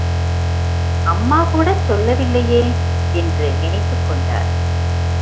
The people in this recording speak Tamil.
அம்மா கூடச்சொல்லவில்லையே! என்று நினைத்துக் கொண்டார்.